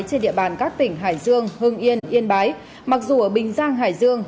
trên địa bàn các tỉnh hải dương hưng yên yên bái mặc dù ở bình giang hải dương